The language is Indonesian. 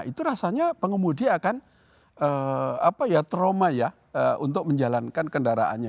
itu rasanya pengemudi akan trauma ya untuk menjalankan kendaraannya